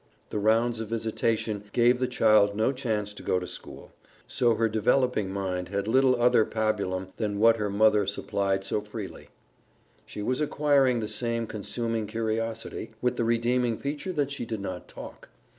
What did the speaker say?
The rounds of visitation gave the child no chance to go to school, so her developing mind had little other pabulum than what her mother supplied so freely. She was acquiring the same consuming curiosity, with the redeeming feature that she did not talk.